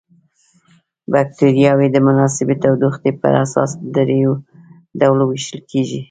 بکټریاوې د مناسبې تودوخې پر اساس په دریو ډلو ویشل کیږي.